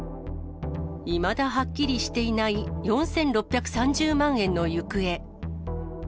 いまだはっきりしていない４６３０万円の行方。